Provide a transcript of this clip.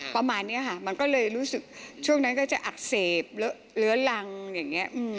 ประมาณนี้ค่ะมันก็เลยรู้สึกช่วงนั้นก็จะอักเสบเลื้อรังอย่างนี้